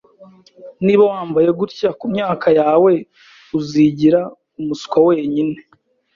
Niba wambaye gutya kumyaka yawe, uzigira umuswa wenyine